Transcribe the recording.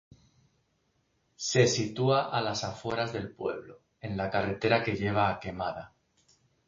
Se sitúa a las afueras del pueblo, en la carretera que lleva a Quemada.